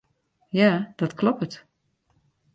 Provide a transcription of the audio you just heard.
Ja, dat kloppet.